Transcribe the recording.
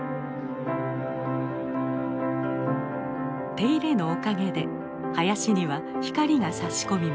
手入れのおかげで林には光がさし込みます。